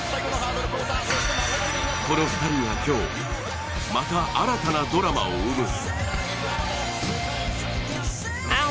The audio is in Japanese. この２人が今日、また新たなドラマを生む。